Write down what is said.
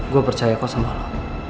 gue percaya kok sama lo